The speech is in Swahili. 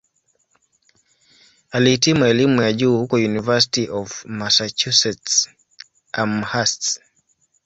Alihitimu elimu ya juu huko "University of Massachusetts-Amherst".